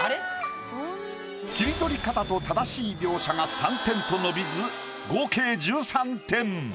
切り取り方と正しい描写が３点と伸びず合計１３点。